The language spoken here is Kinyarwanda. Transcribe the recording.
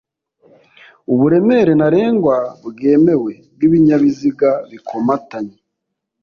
uburemere ntarengwa bwemewe bw'ibinyabiziga bikomatanye